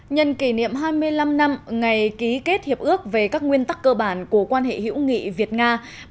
nhân kỷ niệm hai mươi năm năm ngày ký kết hiệp ước về các nguyên tắc cơ bản của quan hệ hữu nghị việt nga